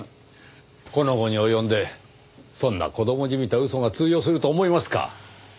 この期に及んでそんな子供じみた嘘が通用すると思いますか？